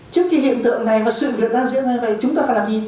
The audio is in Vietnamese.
trước khi hiện tượng này mà sự việc đang diễn ra vậy chúng ta phải làm gì